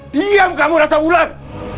diam kamu rasa ular